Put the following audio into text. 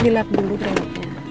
dilap dulu krimatnya